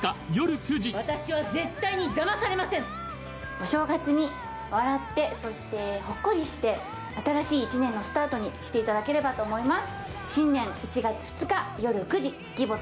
お正月に、笑ってそしてほっこりして新しい一年のスタートにしていただければと思います。